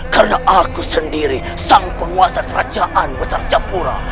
karena aku sendiri sang penguasa kerajaan besar capura